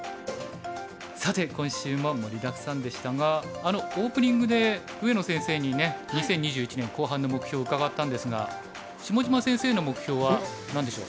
さて今週も盛りだくさんでしたがオープニングで上野先生にね２０２１年後半の目標を伺ったんですが下島先生の目標は何でしょう？